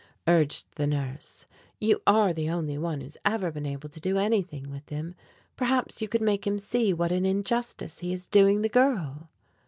urged the nurse. "You are the only one who has ever been able to do anything with him. Perhaps you could make him see what an injustice he is doing the girl."